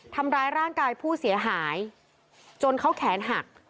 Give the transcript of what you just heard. ทำร้ายร่างกายผู้เสียหายจนเขาแขนหัก